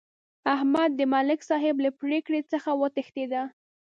احمد د ملک صاحب له پرېکړې څخه وتښتېدا.